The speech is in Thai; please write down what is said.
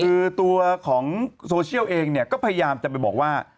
คือตัวของโซเชียลเองเนี่ยก็พยายามจะไปบอกว่า